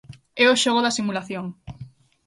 É o xogo da simulación.